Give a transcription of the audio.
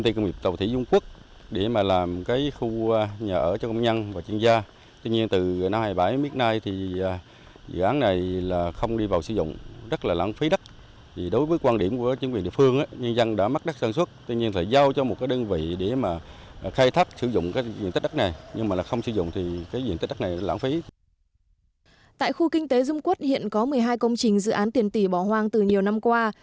tại khu kinh tế dung quốc hiện có một mươi hai công trình dự án tiền tỷ bỏ hoang từ nhiều năm qua